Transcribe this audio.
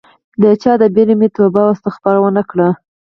د چا د بیرې مې توبه او استغفار ونه کړ